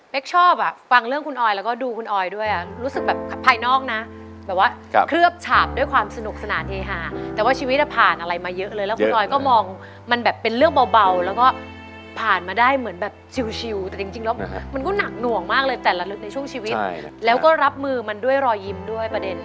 ชอบอ่ะฟังเรื่องคุณออยแล้วก็ดูคุณออยด้วยอ่ะรู้สึกแบบภายนอกนะแบบว่าเคลือบฉาบด้วยความสนุกสนานเฮฮาแต่ว่าชีวิตผ่านอะไรมาเยอะเลยแล้วคุณออยก็มองมันแบบเป็นเรื่องเบาแล้วก็ผ่านมาได้เหมือนแบบชิวแต่จริงแล้วมันก็หนักหน่วงมากเลยแต่ละลึกในช่วงชีวิตแล้วก็รับมือมันด้วยรอยยิ้มด้วยประเด็น